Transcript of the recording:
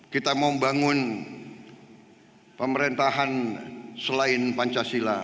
kita membangun pemerintahan selain pancasila